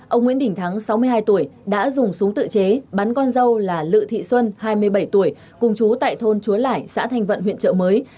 ông nguyễn đình thắng sáu mươi hai tuổi đã dùng súng tự chế bắn con dâu là lự thị xuân hai mươi bảy tuổi cùng chú tại thôn chúa lẻ xã thanh vận huyện trợ mới